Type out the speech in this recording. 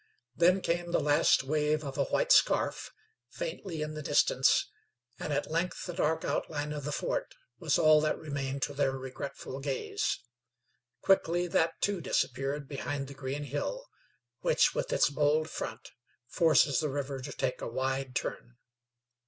Then came the last wave of a white scarf, faintly in the distance, and at length the dark outline of the fort was all that remained to their regretful gaze. Quickly that, too, disappeared behind the green hill, which, with its bold front, forces the river to take a wide turn.